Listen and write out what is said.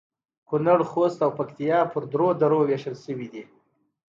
کونړ ، خوست او پکتیا په درو درو ویشل شوي دي